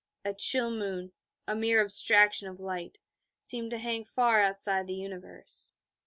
A chill moon, a mere abstraction of light, seemed to hang far outside the universe.